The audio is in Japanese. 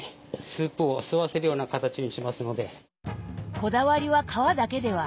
こだわりは皮だけではありません。